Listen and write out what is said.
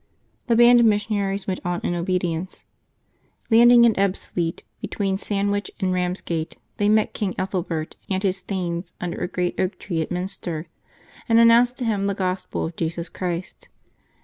The band of missionaries went on in obedience. Landing at Ebbsfleet, between Sandwich and Eamsgate, they met King Ethelbert and his thanes under a great oak tree at Minster, and announced to him the Gospel of Jesus Christ.